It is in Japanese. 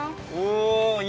お！